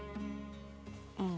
うん。